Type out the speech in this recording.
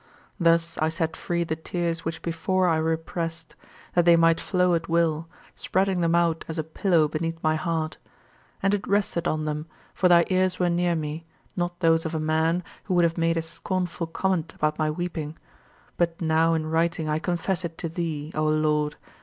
Thus I set free the tears which before I repressed, that they might flow at will, spreading them out as a pillow beneath my heart. And it rested on them, for thy ears were near me not those of a man, who would have made a scornful comment about my weeping. But now in writing I confess it to thee, O Lord!